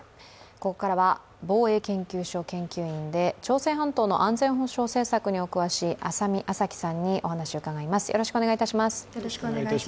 ここからは防衛研究所研究員で朝鮮半島の安全保障政策にお詳しい浅見明咲さんにお話を伺います。